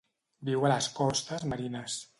Viu a les costes marines.